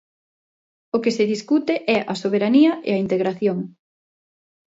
O que se discute é a soberanía e a integración.